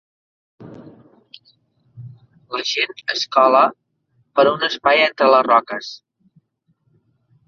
La gent es cola per un espai entre les roques.